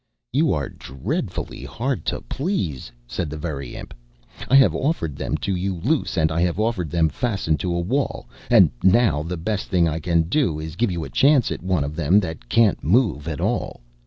"You are dreadfully hard to please," said the Very Imp. "I have offered them to you loose, and I have offered them fastened to a wall, and now the best thing I can do is to give you a chance at one of them that can't move at all.